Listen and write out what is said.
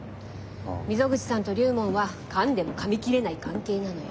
溝口さんと龍門はかんでもかみ切れない関係なのよ。